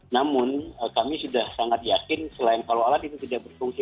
namun kami sudah sangat yakin selain kalau alat itu tidak berfungsi